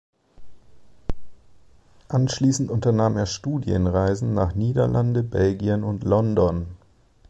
Anschließend unternahm er Studienreisen nach Niederlande, Belgien und London.